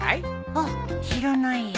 あっ知らないや。